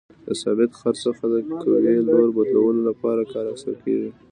د ثابت څرخ څخه د قوې لوري بدلولو لپاره کار اخیستل کیږي.